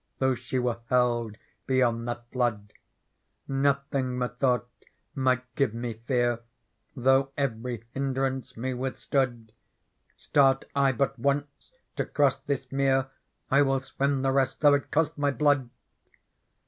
Though she were held beyond that flood : No thing, methought, mi^t_gLve me fear. Though every hindrance nie withstood ; Start I but once to cross this mere, I will swim the rest, though it cost my blood